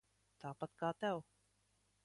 Tāpat kā tev.